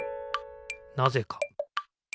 なぜか。